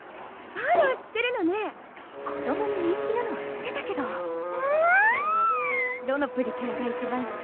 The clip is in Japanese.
あら知ってるのね子どもに人気なのは知ってたけどわぁどのプリキュアが一番すき？